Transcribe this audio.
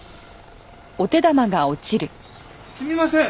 すみません。